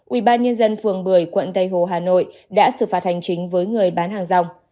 ubnd phường bưởi quận tây hồ hà nội đã xử phạt hành chính với người bán hàng rong